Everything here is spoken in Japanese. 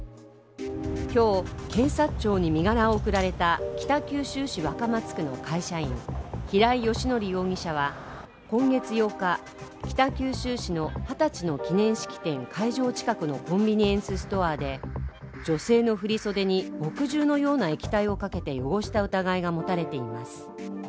今日、検察庁に身柄を送られた北九州市若松区の会社員平井英康容疑者は今月８日、北九州市の二十歳の記念式典会場近くのコンビニエンスストアで女性の振り袖に墨汁のような液体をかけて汚した疑いがもたれています。